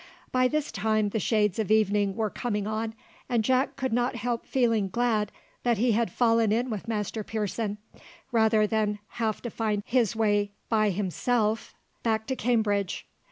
By this time the shades of evening were coming on, and Jack could not help feeling glad that he had fallen in with Master Pearson, rather than have to find his way by himself back to Cambridge.